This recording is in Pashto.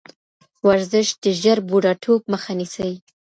ورزش د ژر بوډاتوب مخه نیسي.